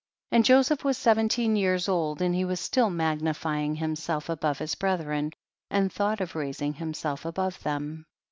9. And Joseph was seventeen years old, and he was still magnify ing himself above his brethren, and thoughtof raising himself above them.